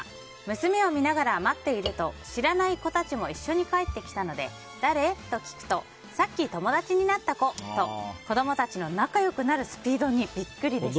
娘を見ながら待っていると知らない子たちも一緒に帰ってきたので誰？と聞くとさっき友達になった子と子供たちの仲良くなるスピードにビックリでした。